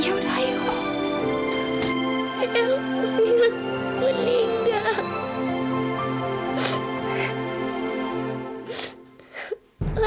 ayolah aku lihat aku meninggal